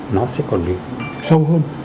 nó sẽ còn được sâu hơn